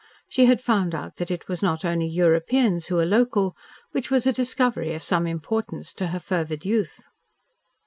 She had found out that it was not only Europeans who were local, which was a discovery of some importance to her fervid youth.